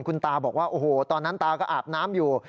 คุณตาบอกว่าโอ้โหตอนนั้นตาก็อาบน้ำอยู่